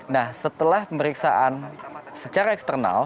nah setelah pemeriksaan secara eksternal